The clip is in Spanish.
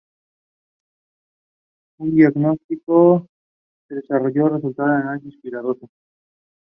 Un diagnóstico de desarrollo resultará del análisis cuidadoso de ambas informaciones.